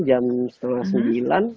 jam setengah sembilan